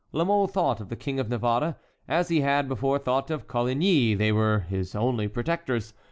La Mole thought of the King of Navarre, as he had before thought of Coligny; they were his only protectors.